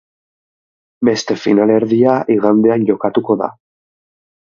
Beste finalerdia igandean jokatuko da.